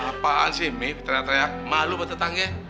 apaan sih ini ternyata ya malu buat tetangga